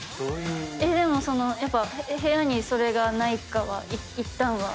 でもやっぱ部屋にそれがないかはいったんは。